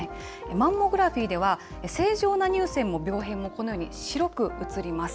マンモグラフィーでは、正常な乳腺も病変もこのように白く写ります。